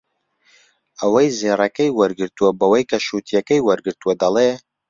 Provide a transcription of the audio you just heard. ئەوەی زێڕەکەی وەرگرتووە بەوەی کە شووتییەکەی وەرگرتووە دەڵێ